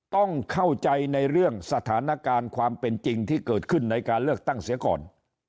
ต้องเข้าใจในเรื่องสถานการณ์ความเป็นจริงที่เกิดขึ้นในการเลือกตั้งเสียก่อน